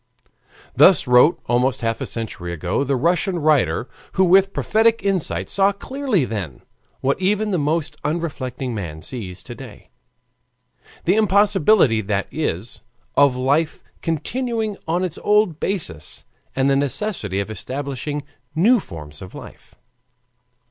Thus wrote almost half a century ago the Russian writer, who with prophetic insight saw clearly then, what even the most unreflecting man sees to day, the impossibility, that is, of life continuing on its old basis, and the necessity of establishing new forms of life.